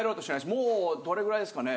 もうどれぐらいですかね？